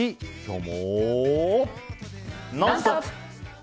「ノンストップ！」。